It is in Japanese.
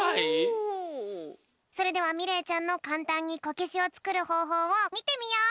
それではみれいちゃんのかんたんにこけしをつくるほうほうをみてみよう。